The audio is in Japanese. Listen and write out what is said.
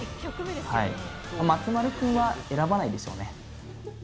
はい松丸くんは選ばないでしょうね